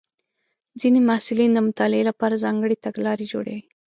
ځینې محصلین د مطالعې لپاره ځانګړې تګلارې جوړوي.